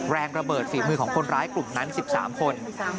แรงระเบิดฝีมือของคนร้ายกลุ่มนั้น๑๓คน